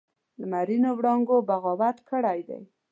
لمرینو وړانګو بغاوت کړی دی